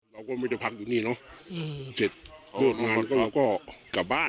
เราก็ไม่ได้พักอยู่นี่เนอะเสร็จเลิกงานก็เราก็กลับบ้าน